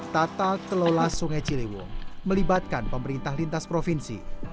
tata kelola sungai ciliwung melibatkan pemerintah lintas provinsi